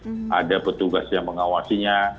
kemudian ada petugas yang mengawasinya